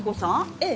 ええ。